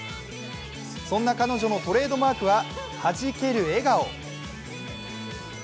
そんな彼女のトレードマークははじける笑顔。